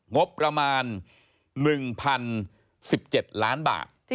งบประมาณ๑๐๑๗ล้านบาท